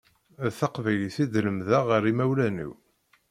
D taqbaylit i d-lemdeɣ ar imawlan-iw.